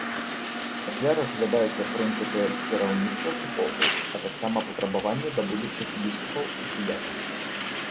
Пасля разглядаюцца прынцыпы кіраўніцтва суполкай, а таксама патрабаванні да будучых біскупаў і дыяканаў.